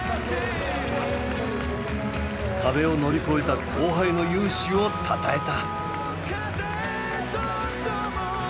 壁を乗り越えた後輩の雄姿をたたえた。